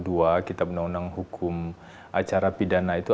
karena di pasal satu ratus dua belas kitab undang undang hukum acara pidana itu